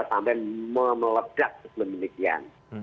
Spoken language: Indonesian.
sampai melepdat sebelum inikian